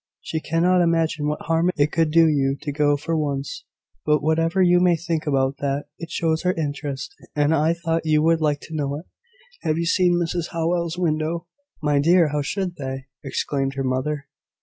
She cannot imagine what harm it could do you to go for once. But, whatever you may think about that, it shows her interest, and I thought you would like to know it. Have you seen Mrs Howell's window?" "My dear! how should they?" exclaimed her mother.